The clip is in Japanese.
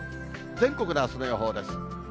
全国のあすの予報です。